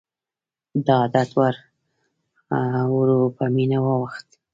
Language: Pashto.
دا عادت ورو ورو په مینه واوښت.